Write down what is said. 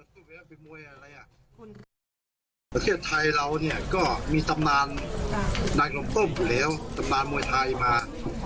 ประเทศไทยเราก็มีสำนานนายลมต้มอยู่แล้วสำนานมวยไทยมา